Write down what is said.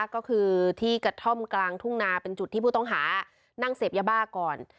ก็คือที่กระท่อมกลางทุ่งนาเป็นจุดที่ผู้ต้องหานั่งเสพยาบ้าก่อน